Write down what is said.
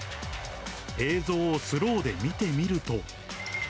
映像をスローで見てみると。